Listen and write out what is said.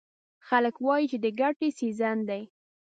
خلک وایي چې د ګټې سیزن دی.